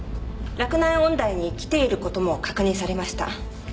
洛南音大に来ている事も確認されました。